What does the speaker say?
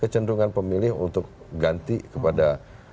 kecenderungan pemilih untuk ganti kepada